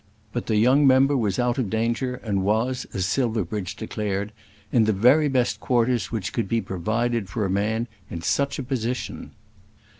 But the young member was out of danger, and was, as Silverbridge declared, in the very best quarters which could be provided for a man in such a position.